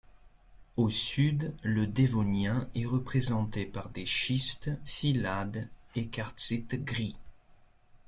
Au sud, le Dévonien est représenté par des schistes, phyllades et quartzites gris.